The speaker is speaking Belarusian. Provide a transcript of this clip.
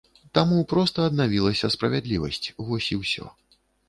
Таму проста аднавілася справядлівасць, вось і ўсё.